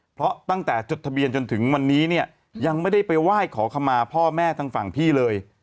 เพราะตั้งแต่จดทะเบียนจนถึงวันนี้เนี่ยยังไม่ได้ไปไหว้ขอขมาพ่อแม่ทางฝั่งพี่เลย